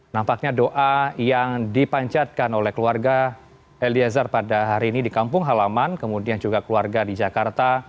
nampaknya doa yang dipancatkan oleh keluarga eliezer pada hari ini di kampung halaman kemudian juga keluarga di jakarta